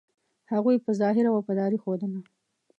هغوی په ظاهره وفاداري ښودله.